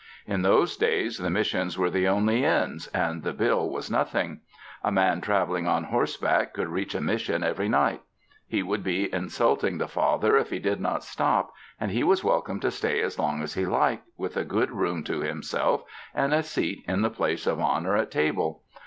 In those days the Missions were the only inns, and the bill was nothing. A man traveling on horseback could reach a Mission every night. He would be insulting the Father if he did not stop, and he was welcome to stay as long as he liked, with a good room to himself and a seat in the place of honor at table.